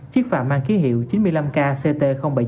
chiếc phà mang ký hiệu chín mươi năm kct bảy trăm chín mươi chín